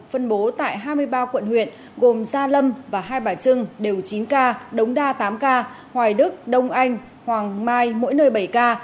phân bố tại hai mươi ba quận huyện gồm gia lâm và hai bả trưng đều chín ca đống đa tám ca hoài đức đông anh hoàng mai mỗi nơi bảy ca